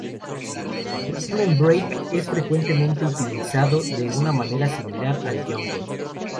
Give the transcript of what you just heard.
El amen break es frecuentemente utilizado de una manera similar al jungle.